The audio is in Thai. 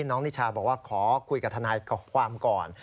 นิชาบอกว่าขอคุยกับทนายความก่อน